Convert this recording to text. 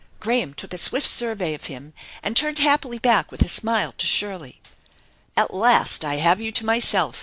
Graham took a swift survey of him and turned happily back with a smile to Shirley : "At last I have you to myself